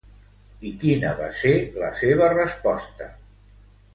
I quina va ser la seva resposta?